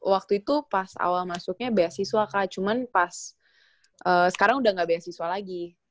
waktu itu pas awal masuknya beasiswa kak cuman pas sekarang udah gak beasiswa lagi